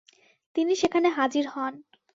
তিনি সেখানে হাজির হন।